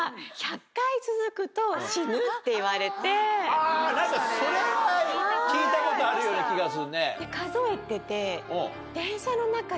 あ何かそれは聞いたことあるような気がするね。